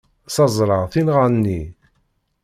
Ssaẓreɣ tinɣa-nni.